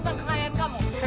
tengah tengah layan kamu